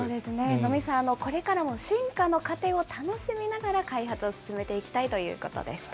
野見さん、これからも進化の過程を楽しみながら開発を進めていきたいということでした。